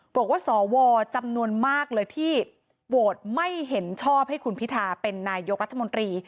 บอกว่าสวจำนวนมากเลยที่โหวตไม่เห็นชอบให้คุณพิธาเป็นนายกรัฐมนตรี